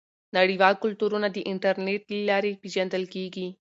نړیوال کلتورونه د انټرنیټ له لارې پیژندل کیږي.